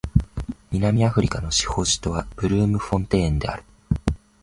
南アフリカの司法首都はブルームフォンテーンである